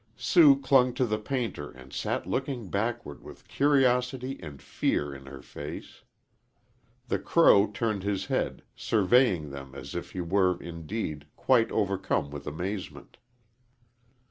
Sue clung to the painter and sat looking backward with curiosity and fear in her face. The crow turned his head, surveying them as if he were, indeed, quite overcome with amazement.